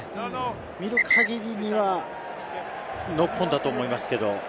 見る限りにはノックオンだと思いますけど。